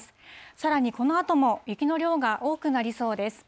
さらにこのあとも雪の量が多くなりそうです。